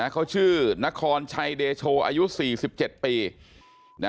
เขาชื่อนครชัยเดโชอายุ๔๗ปี